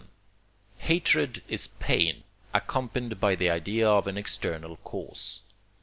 Hatred is pain, accompanied by the idea of an external cause.